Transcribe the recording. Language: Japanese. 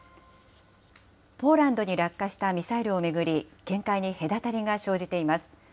ポーランドに落下したミサイルを巡り、見解に隔たりが生じています。